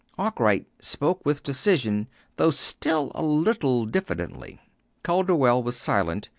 Arkwright spoke with decision, though still a little diffidently. Calderwell was silent.